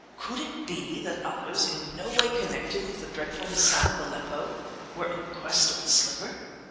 Could it be that others, in no way connected with the dreadful Hassan of Aleppo, were in quest of the slipper?